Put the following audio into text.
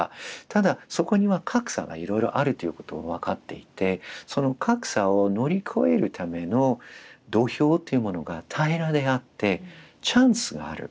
ただそこには格差がいろいろあるということは分かっていてその格差を乗り越えるための土俵っていうものが平らであってチャンスがある。